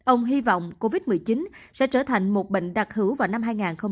ông hy vọng covid một mươi chín sẽ trở thành một bệnh đặc hữu vào năm hai nghìn hai mươi